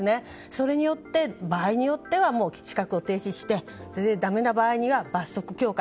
それによって、場合によっては資格を停止してだめな場合には罰則強化